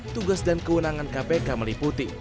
tugas dan kewenangan kpk meliputi